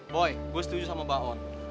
boy gue setuju sama mbak on